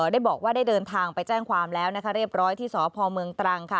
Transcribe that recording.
ได้บอกว่าได้เดินทางไปแจ้งความแล้วนะคะเรียบร้อยที่สพเมืองตรังค่ะ